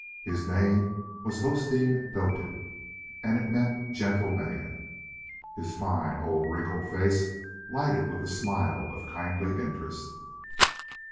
His name was Hosteen Doetin, and it meant gentle man. His fine, old, wrinkled face lighted with a smile of kindly interest.